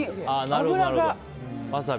脂が。